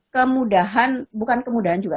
kemudahan bukan kemudahan juga